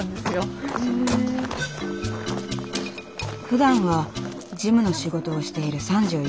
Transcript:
ふだんは事務の仕事をしている３４歳。